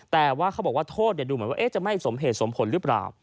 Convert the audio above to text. แต่ว่าเขาบอกว่าโทษดูเหมือนว่าจะไม่สมเหตุสมผลหรือเปล่า